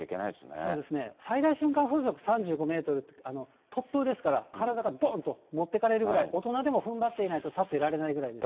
そうですね、最大瞬間風速３５メートルって、突風ですから、体がどんと持っていかれるくらい、大人でもふんばらないと立っていられないぐらいです。